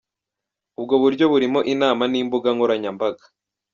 Ubwo buryo burimo inama n’imbuga nkoranyambaga.